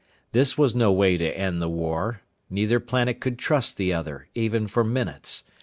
This was no way to end the war. Neither planet could trust the other, even for minutes.